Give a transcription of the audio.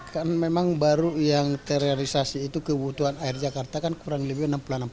kan memang baru yang terrealisasi itu kebutuhan air jakarta kan kurang lebih enam puluh enam